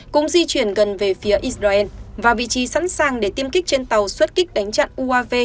cũng di chuyển gần về phía israel và vị trí sẵn sàng để tiêm kích trên tàu xuất kích đánh chặn uav